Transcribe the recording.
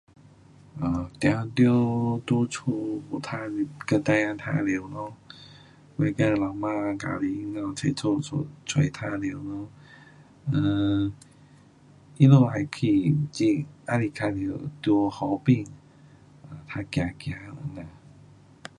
当然在家有玩耍和小孩玩咯，老婆和家庭一起出去玩耍，'err' 他们喜欢爱在玩海边走走。